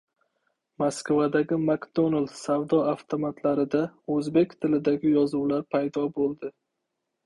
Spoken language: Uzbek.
Moskvadagi McDonald's savdo avtomatlarida o‘zbek tilidagi yozuvlar paydo bo‘ldi